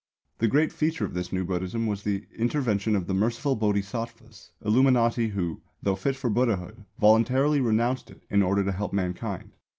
The great feature of this new Buddhism was the intervention of the merciful Bodhisattvas, illuminati who, though fit for Buddhahood, voluntarily renounced it in order to help mankind.